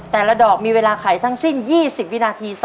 แต่ละดอกมีเวลาไขทั้งสิ้น๒๐วินาที